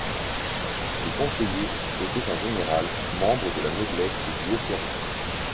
Les conseillers étaient en général membres de la noblesse et du haut clergé.